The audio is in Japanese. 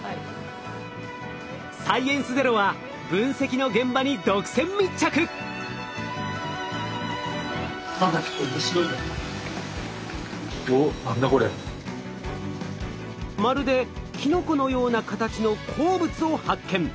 「サイエンスＺＥＲＯ」は分析の現場にまるできのこのような形の鉱物を発見。